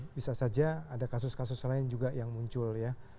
bisa saja ada kasus kasus lain juga yang muncul ya